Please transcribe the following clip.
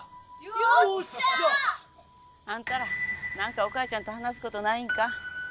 よっしゃ！あんたら何かお母ちゃんと話す事ないんか？